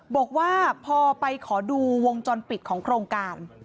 บอกว่าพอไปขอดูวงจรปิดของโครงการ